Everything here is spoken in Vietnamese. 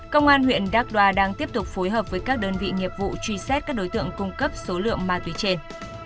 công an huyện đắk đoa đang tiếp tục phối hợp với các đơn vị nghiệp vụ truy xét các đối tượng cung cấp số lượng ma túy trên